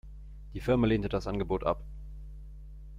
Die Firma lehnte das Angebot ab.